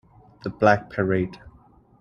The Black Parade.